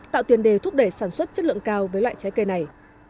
tạo tiền đề thúc đẩy sản xuất chất lượng cao với loại trái cây này